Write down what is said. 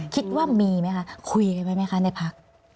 คิดว่ามีไหมคะคุยกันไว้ไหมคะในพัก